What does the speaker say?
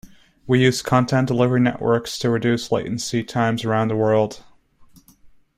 We use content delivery networks to reduce latency times around the world.